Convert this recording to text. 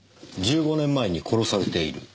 １５年前に殺されている？